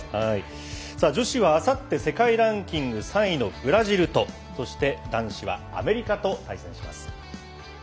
女子はあさって世界ランキング３位のブラジルとそして男子はアメリカと対戦します。